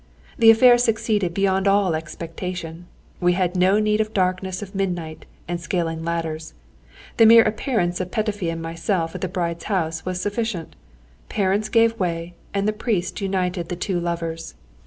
The affair succeeded beyond all expectation. We had no need of the darkness of midnight and scaling ladders, the mere appearance of Petöfi and myself at the bride's house was sufficient; the parents gave way, and the priest united the two lovers.